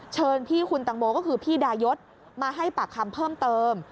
เชิญพี่คุณตังโมก็คือพี่ดายศมาให้ปากคำเพิ่มเติม